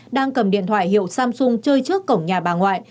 đang cầm điện thoại hiệu samsung chơi trước cổng nhà bà ngoại